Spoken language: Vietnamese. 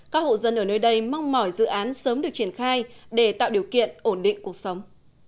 các hộ dân ở nơi đây mong mỏi dự án sớm được triển khai để tạo điều kiện ổn định cuộc sống